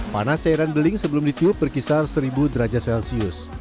panas cairan beling sebelum ditiup berkisar seribu derajat celcius